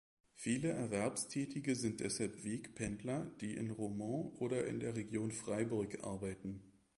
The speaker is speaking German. Viele Erwerbstätige sind deshalb Wegpendler, die in Romont oder in der Region Freiburg arbeiten.